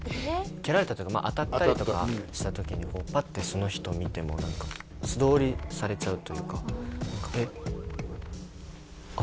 蹴られたというか当たったりとかした時にこうパッてその人を見ても何か素通りされちゃうというか何か「えっ」